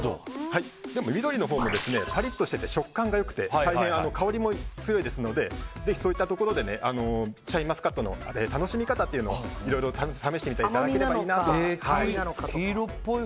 でも緑のほうもパリッとしていて食感が良くて大変香りも強いですのでぜひ、そういったところでシャインマスカットの楽しみ方を楽しんでいただけたらいいなと。